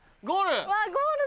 ゴール！